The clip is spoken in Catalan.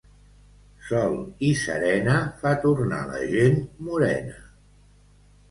Sol i serena fa tornar la gent morena.